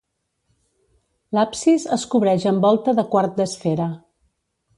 L’absis es cobreix amb volta de quart d’esfera.